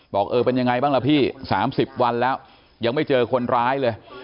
บอกเออเป็นยังไงบ้างล่ะพี่๓๐วันแล้วยังไม่เจอคนร้ายเลย